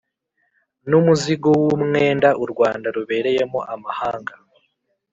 n'umuzigo w'umwenda u rwanda rubereyemo amahanga